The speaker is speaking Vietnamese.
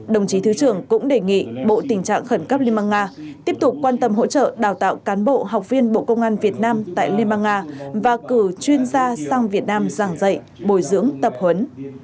đồng chí thứ trưởng cũng đề nghị bộ tình trạng khẩn cấp liên bang nga tiếp tục quan tâm hỗ trợ đào tạo cán bộ học viên bộ công an việt nam tại liên bang nga và cử chuyên gia sang việt nam giảng dạy bồi dưỡng tập huấn